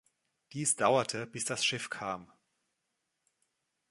Dies dauerte, bis das Schiff kam.